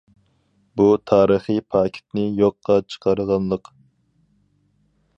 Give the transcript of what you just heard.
بۇ تارىخى پاكىتنى يوققا چىقارغانلىق.